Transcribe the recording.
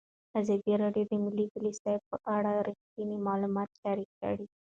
ازادي راډیو د مالي پالیسي په اړه رښتیني معلومات شریک کړي.